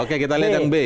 oke kita lihat yang b